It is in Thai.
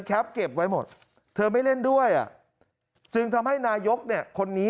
เก็บไว้หมดเธอไม่เล่นด้วยอ่ะจึงทำให้นายกเนี่ยคนนี้